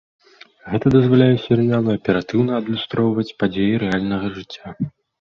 Гэта дазваляе серыялу аператыўна адлюстроўваць падзеі рэальнага жыцця.